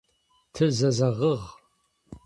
Тызэзэгъыгъ.